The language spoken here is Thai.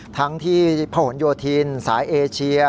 ทั้งที่พระหลโยธินสายเอเชีย